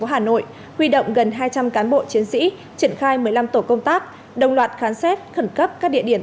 hà nội huy động gần hai trăm linh cán bộ chiến sĩ triển khai một mươi năm tổ công tác đồng loạt khám xét khẩn cấp các địa điểm